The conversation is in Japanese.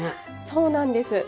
そうなんです。